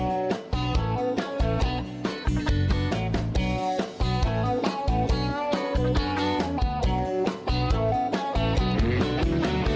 มีมีมีมีมีมี